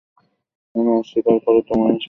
আমি স্বীকার করি তোমার সাথে যা হয়েছে তা অবিচার ছিল।